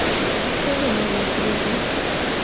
— Чыным ойлет, йолташ.